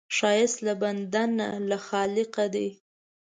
ښایست له بنده نه، له خالقه دی